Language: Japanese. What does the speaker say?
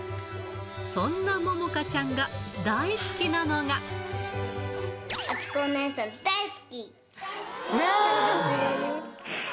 そんなももかちゃんが大好きなのあつこお姉さん大好き。